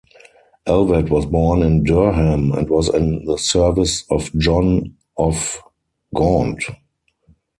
Elvet was born in Durham and was in the service of John of Gaunt.